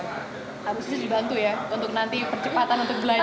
harusnya dibantu ya untuk nanti percepatan untuk belanja